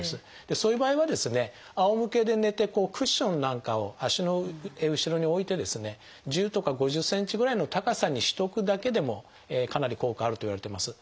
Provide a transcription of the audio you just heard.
そういう場合はですねあおむけで寝てクッションなんかを足の後ろに置いてですね１０とか５０ｃｍぐらいの高さにしておくだけでもかなり効果があるといわれています。